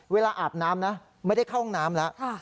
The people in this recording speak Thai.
อาบน้ำนะไม่ได้เข้าห้องน้ำแล้ว